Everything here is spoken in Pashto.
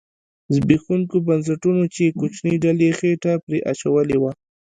زبېښوونکو بنسټونو چې کوچنۍ ډلې خېټه پرې اچولې وه